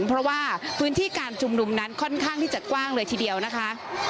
เพราะว่าพื้นที่การชุมนุมนั้นค่อนข้างที่จะกว้างเลยทีเดียวนะคะ